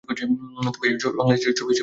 তবে এই ছবি বাংলাদেশি ছবি হিসেবে তৈরি হবে।